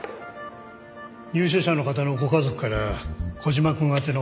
入所者の方のご家族から小島くん宛ての手紙です。